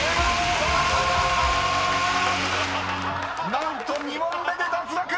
［何と２問目で脱落！］